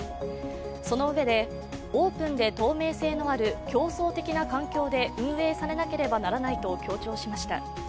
そのうえで、オープンで透明性のある競争的な環境で運営されなければならないと強調しました。